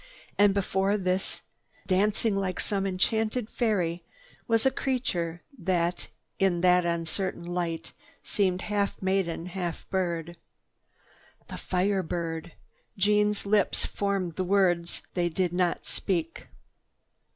And before this tree, dancing like some enchanted fairy, was a creature that, in that uncertain light, seemed half maiden, half bird. "The Fire Bird!" Jeanne's lips formed the words they did not speak.